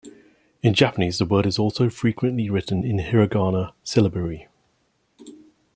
In Japanese the word is also frequently written in hiragana syllabary.